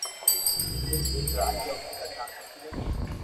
دن ايڪ راجا او ڪني آوي ھي